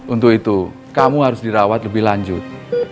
untuk itu kamu harus dirawat lebih lanjut